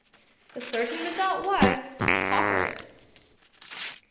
The certain result was coppers!